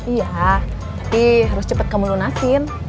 iya tapi harus cepat kamu lunasin